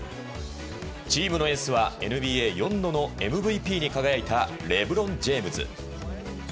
チームのエースはＮＢＡ４度のＭＶＰに輝いたレブロン・ジェームズ。